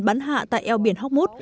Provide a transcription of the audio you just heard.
bắn hạ tại eo biển hoc mút